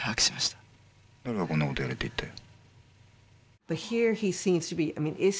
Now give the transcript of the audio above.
誰がこんなことやれって言ったよ。